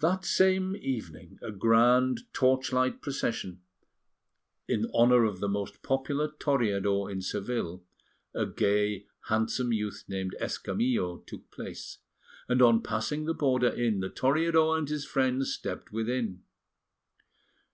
That same evening a grand torchlight procession in honour of the most popular Toreador in Seville, a gay, handsome youth named Escamillo, took place; and on passing the border inn, the Toreador and his friends stepped within.